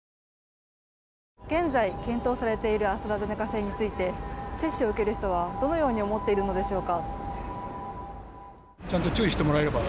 現在、検討されているアストラゼネカ製について接種を受ける人は、どのように思っているのでしょうか。